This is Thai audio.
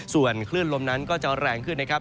ส่วนคลื่นลมนั้นก็จะแรงขึ้นนะครับ